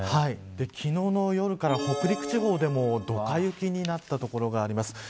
昨日の夜から北陸地方でもどか雪になった所があります。